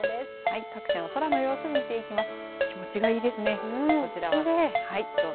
では各地の空の様子見ていきます。